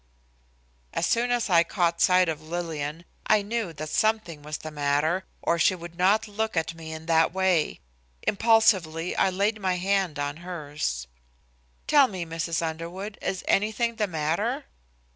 As soon as I caught sight of Lillian I knew that something was the matter, or she would not look at me in that way. Impulsively I laid my hand on hers. "Tell me, Mrs. Underwood, is anything the matter?"